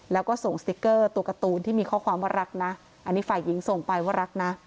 แล้วก็ส่งสติ๊กเกอร์ตัวการ์ตูนที่มีข้อความว่ารักนะอันนี้ฝ่ายหญิงส่งไปว่ารักนะ